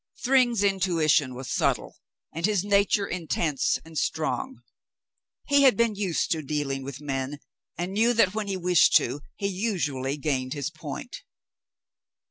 Thryng's intuition was subtle and his nature intense and strong. He had been used to dealing with men, and knew that when he wished to, he usually gained his point.